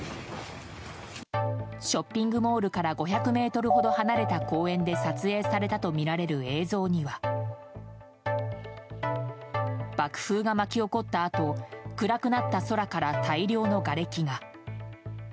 ショッピングモールから５００ｍほど離れた公園で撮影されたとみられる映像には爆風が巻き起こったあと暗くなった空から大量のがれきが。